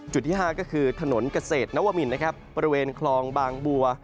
จุดที่ห้าก็คือถนนเกษตรนวมินบริเวณคลองบางบัว